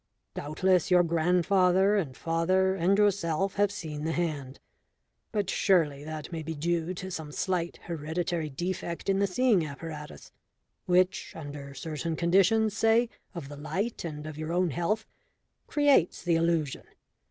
Doubtless your grandfather and father and yourself have seen the hand, but surely that may be due to some slight hereditary defect in the seeing apparatus, which, under certain conditions, say, of the light and of your own health creates the illusion.